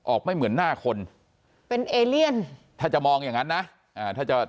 ไม่เหมือนหน้าคนเป็นเอเลียนถ้าจะมองอย่างนั้นนะอ่าถ้าจะ